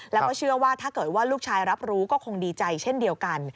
แล้วก็เชื่อว่าถ้าเกิดว่าลูกชายรับรู้ก็คงดีใจเช่นเดียวกัน